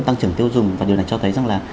tăng trưởng tiêu dùng và điều này cho thấy rằng là